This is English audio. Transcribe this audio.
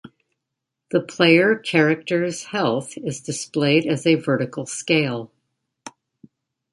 The player character's health is displayed as a vertical scale.